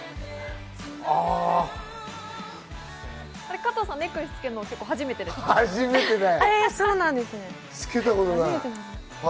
加藤さん、ネックレスつける初めてだよ。